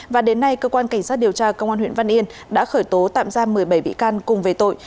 và đến nay cơ quan cảnh sát điều tra công an huyện văn yên đã khởi tố tạm giam một mươi bảy bị can cùng về tội